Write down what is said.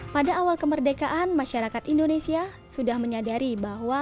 pada awal kemerdekaan masyarakat indonesia sudah menyadari bahwa